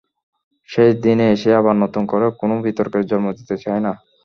শেষ দিনে এসে আবার নতুন করে কোনো বিতর্কের জন্ম দিতে চাই না।